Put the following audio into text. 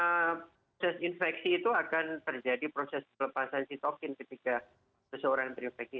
ya hampir semua proses infeksi itu akan terjadi proses pelepasan sitokin ketika seseorang terinfeksi